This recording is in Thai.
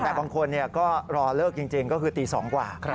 แต่บางคนก็รอเลิกจริงก็คือตี๒กว่า